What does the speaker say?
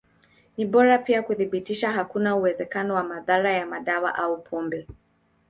Ni bora pia kuthibitisha hakuna uwezekano wa madhara ya madawa au pombe.